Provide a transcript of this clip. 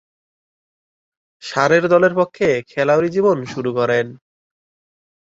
সারের দলের পক্ষে খেলোয়াড়ী জীবন শুরু করেন।